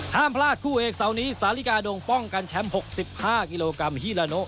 ห้ามพลาดคู่เอกเสาร์นี้สาลิกาดงป้องกันแชมป์๖๕กิโลกรัมฮีลาโน